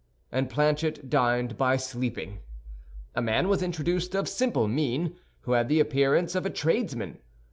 And Planchet dined by sleeping. A man was introduced of simple mien, who had the appearance of a tradesman.